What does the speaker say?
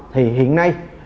thì hiện nay